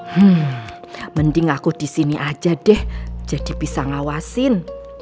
hmm mending aku di sini aja deh jadi bisa ngawasin